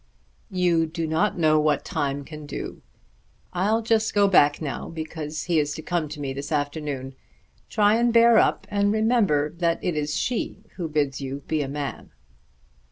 "You do not know what time can do. I'll just go back now because he is to come to me this afternoon. Try and bear up and remember that it is she who bids you be a man."